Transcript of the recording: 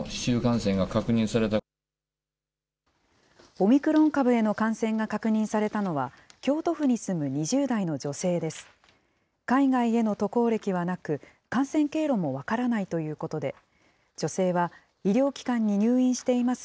オミクロン株への感染が確認されたのは、京都府に住む２０代の女性です。